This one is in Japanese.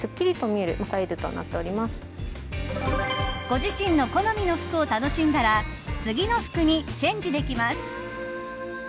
ご自身の好みの服を楽しんだら次の服にチェンジできます。